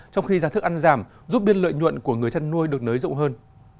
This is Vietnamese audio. trong khi giá thức ăn giảm giúp biên lợi nhuận của người chăn nuôi được nới rộng hơn